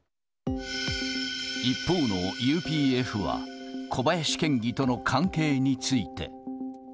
一方のＵＰＦは、小林県議との関係について。